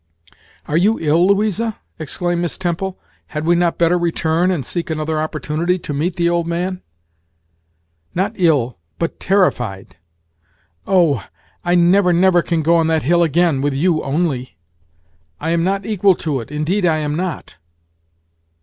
"Are you ill, Louisa?" exclaimed Miss Temple; "had we not better return, and seek another opportunity to meet the old man?" "Not ill, but terrified. Oh! I never, never can go on that hill again with you only. I am not equal to it, in deed I am not."